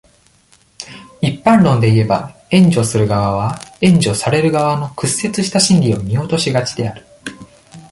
一般論でいえば、援助する側は、援助される側の屈折した心理を見落としがちである。